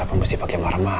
lo kenapa mesti pake marma